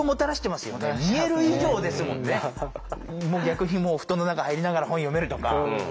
逆にもう布団の中入りながら本読めるとか。